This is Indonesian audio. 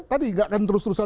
tadi nggak akan terus terusan